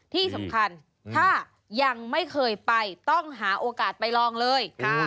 ที่สำคัญถ้ายังไม่เคยไปต้องหาโอกาสไปลองเลย